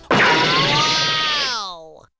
ว้าว